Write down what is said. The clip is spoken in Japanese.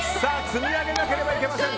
積み上げなければいけません。